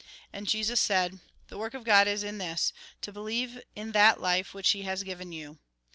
" And Jesus said :" The work of God is in this, to believe in that hfe which He has given you."